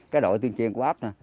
cái đội tuyên truyền của ấp